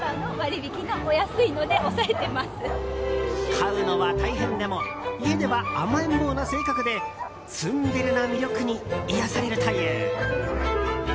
飼うのは大変でも家では甘えん坊な性格でツンデレな魅力に癒やされるという。